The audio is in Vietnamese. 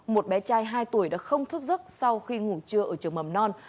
một bé trai hai tuổi đã không thức giấc sau khi ngủ trưa ở trường mầm non